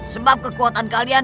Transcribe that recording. sebab kekuatan kalian